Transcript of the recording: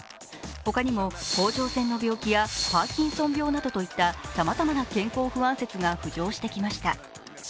ほかにも甲状腺の病気やパーキンソン病などといったさまざまな健康不安説が浮上してきました。